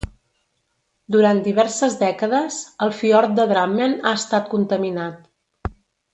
Durant diverses dècades el fiord de Drammen ha estat contaminat.